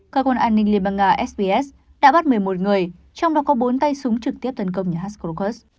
cơ quan an ninh liên bang nga sps đã bắt một mươi một người trong đó có bốn tay súng trực tiếp tấn công nhà hát krokus